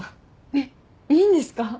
えっいいんですか？